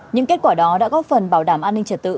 những kết quả đó đã góp phần bảo đảm an ninh trật tự